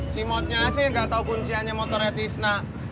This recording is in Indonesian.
cimutnya aja yang nggak tahu kunciannya motornya tisna